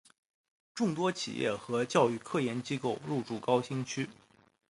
众多企业和教育科研机构入驻高新区。